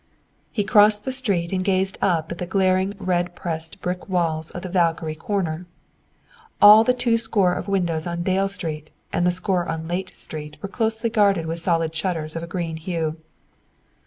He crossed the street and gazed up at the glaring red pressed brick walls of the Valkyrie corner. All the two score of windows on Dale Street, and the score on Layte Street were closely guarded with solid shutters of a green hue.